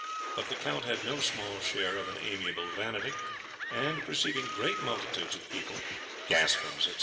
But the Count had no small share of an amiable vanity, and perceiving great multitudes of people, Gascons, &c.